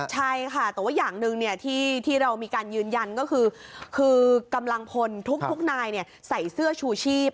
ใช่ค่ะแต่ว่าอย่างหนึ่งที่เรามีการยืนยันก็คือกำลังพลทุกนายใส่เสื้อชูชีพ